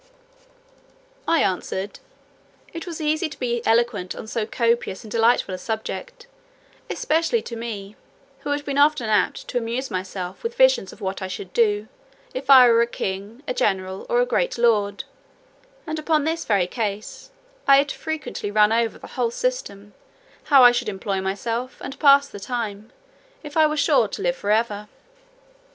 I answered, "it was easy to be eloquent on so copious and delightful a subject, especially to me, who had been often apt to amuse myself with visions of what I should do, if I were a king, a general, or a great lord: and upon this very case, I had frequently run over the whole system how I should employ myself, and pass the time, if I were sure to live for ever.